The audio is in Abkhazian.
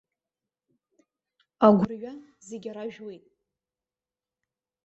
Агәырҩа зегьы аражәуеит.